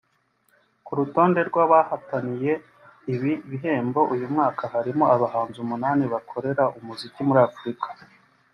Ku rutonde rw’abahataniye ibi bihembo uyu mwaka harimo abahanzi umunani bakorera umuziki muri Afurika